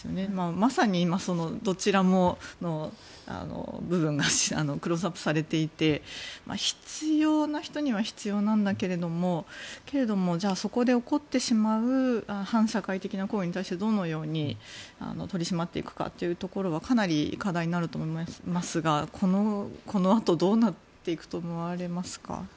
まさに今、そのどちらの部分もクローズアップされていて必要な人には必要なんだけれどもけれども、そこで起こってしまう反社会的な行為に対してどのように取り締まっていくかというところはかなり課題になると思いますがこのあとどうなっていくと思われますか？